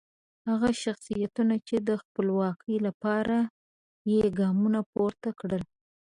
هغه شخصیتونه چې د خپلواکۍ لپاره یې ګامونه پورته کړل.